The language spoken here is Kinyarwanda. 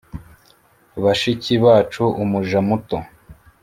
“bashiki bacu, umuja muto,